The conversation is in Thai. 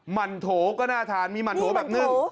มันโถก็น่าทานมีหมั่นโถแบบนึ่ง